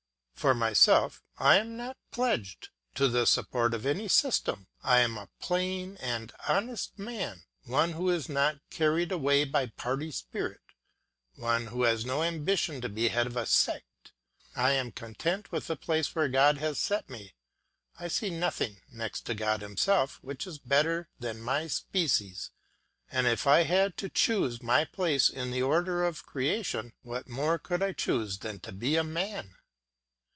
For myself, I am not pledged to the support of any system. I am a plain and honest man, one who is not carried away by party spirit, one who has no ambition to be head of a sect; I am content with the place where God has set me; I see nothing, next to God himself, which is better than my species; and if I had to choose my place in the order of creation, what more could I choose than to be a man!